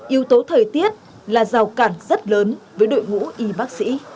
yếu tố thời tiết là rào cản rất lớn với đội ngũ y bác sĩ